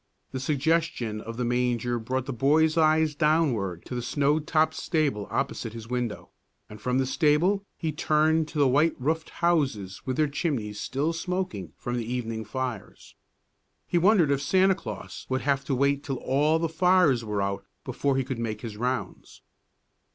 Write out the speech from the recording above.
The suggestion of the manger brought the boy's eyes downward to the snow topped stable opposite his window; and from the stable he turned to the white roofed houses with their chimneys still smoking from the evening fires. He wondered if Santa Claus would have to wait till all the fires were out before he could make his rounds.